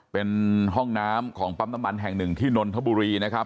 เป็นห้องน้ำของปั๊มน้ำมันแห่งหนึ่งที่นนทบุรีนะครับ